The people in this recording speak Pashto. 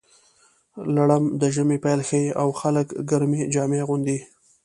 لړم د ژمي پیل ښيي، او خلک ګرمې جامې اغوندي.